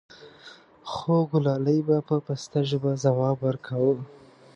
خوګلالۍ به په پسته ژبه ځواب وركا و :